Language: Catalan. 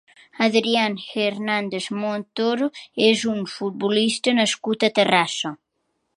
Adrián Hernández Montoro és un futbolista nascut a Terrassa.